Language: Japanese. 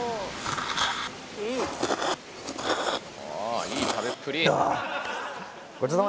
ああいい食べっぷり！